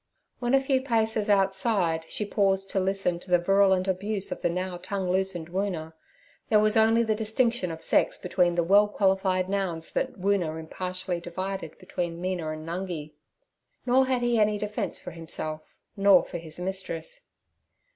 When a few paces outside, she paused to listen to the virulent abuse of the now tongueloosened Woona. There was only the distinction of sex between the well qualified nouns that Woona impartially divided between Mina and Nungi. Nor had he any defence for himself nor for his mistress.